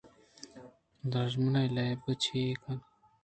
دژمنے لیئب چیا کن ئے